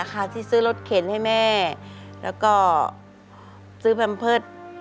เข็นให้แม่แล้วก็ซื้อพรรมเพิศ